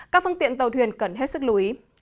các phương tiện tàu thuyền cần hết sức lưu ý